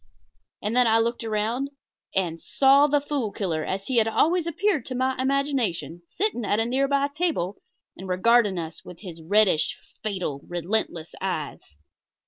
And then I looked around and saw the Fool Killer, as he had always appeared to my imagination, sitting at a nearby table, and regarding us with his reddish, fatal, relentless eyes.